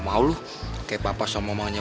sampai jumpa lagi ya